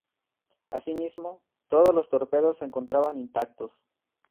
Asimismo, todos los torpedos se encontraban intactos.